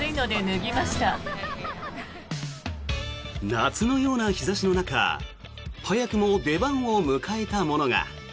夏のような日差しの中早くも出番を迎えたものが。